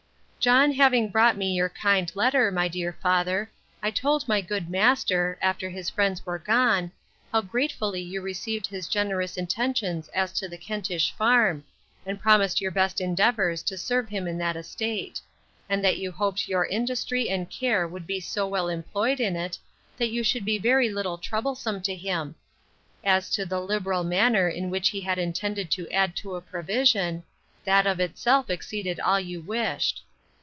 John having brought me your kind letter, my dear father, I told my good master, after his friends were gone, how gratefully you received his generous intentions as to the Kentish farm, and promised your best endeavours to serve him in that estate; and that you hoped your industry and care would be so well employed in it, that you should be very little troublesome to him,—as to the liberal manner in which he had intended to add to a provision, that of itself exceeded all you wished.